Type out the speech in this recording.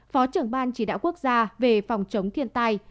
phó trưởng ban chỉ đạo quốc gia về phòng chống thiên tai